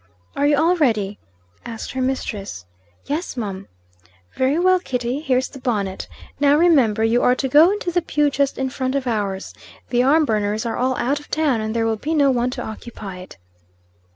"Are you all ready?" asked her mistress. "Yes, mum." "Very well, Kitty, here's the bonnet. Now, remember, you are to go into the pew just in front of ours. The Armburner's are all out of town, and there will be no one to occupy it."